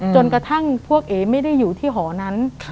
จนกระทั่งพวกเอ๋ไม่ได้อยู่ที่หอนั้น